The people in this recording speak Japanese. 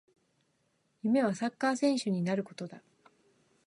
夢はサッカー選手になることだ